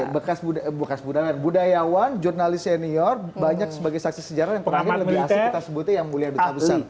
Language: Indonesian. bekas budayawan jurnalis senior banyak sebagai saksi sejarah yang pernah dibilang kita sebutnya yang mulia duta besar